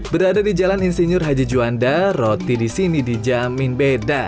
berada di jalan insinyur haji juanda roti di sini dijamin beda